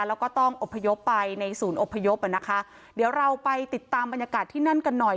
แล้วก็ต้องอบพยพไปในศูนย์อบพยพอ่ะนะคะเดี๋ยวเราไปติดตามบรรยากาศที่นั่นกันหน่อย